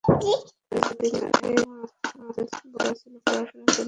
কিছুদিন আগেই এমা বলেছিলেন, পড়াশোনার জন্য অভিনয় থেকে একটু বিরতি নেবেন তিনি।